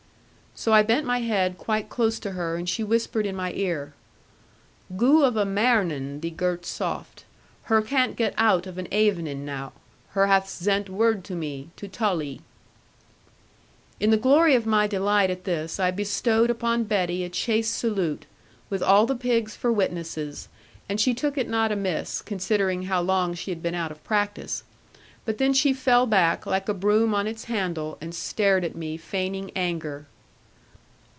So I bent my head quite close to her; and she whispered in my ear, 'Goo of a marning, thee girt soft. Her can't get out of an avening now, her hath zent word to me, to tull 'ee.' In the glory of my delight at this, I bestowed upon Betty a chaste salute, with all the pigs for witnesses; and she took it not amiss, considering how long she had been out of practice. But then she fell back, like a broom on its handle, and stared at me, feigning anger.